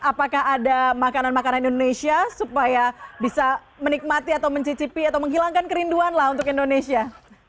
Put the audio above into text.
apakah ada makanan makanan indonesia supaya bisa menikmati atau mencicipi atau menghilangkan kerinduan lah untuk indonesia